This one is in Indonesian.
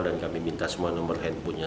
dan kami minta semua nomor handphonenya